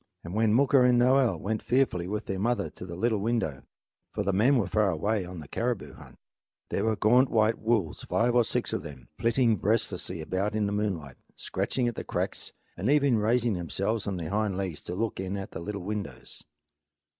And when Mooka and Noel went fearfully with their mother to the little window for the men were far away on a caribou hunt there were gaunt white wolves, five or six of them, flitting restlessly about in the moonlight, scratching at the cracks and even raising themselves on their hind legs to look in at the little windows.